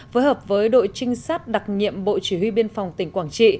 với hợp với đội trinh sát đặc nhiệm bộ chỉ huy bnr